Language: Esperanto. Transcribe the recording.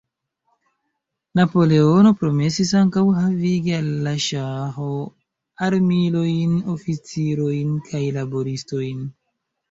Napoleono promesis ankaŭ havigi al la Ŝaho armilojn, oficirojn kaj laboristojn.